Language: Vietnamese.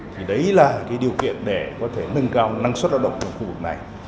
thì đấy là cái điều kiện để có thể nâng cao năng suất lao động trong khu vực này